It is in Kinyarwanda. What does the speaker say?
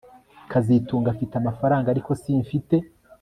kazitunga afite amafaranga ariko simfite